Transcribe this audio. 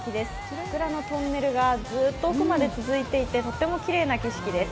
桜のトンネルがずーっと奥まで続いていてとてもきれいな景色です。